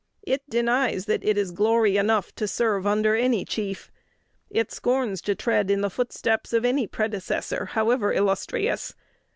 It denies that it is glory enough to serve under any chief. It scorns to tread in the footsteps of any predecessor, however illustrious.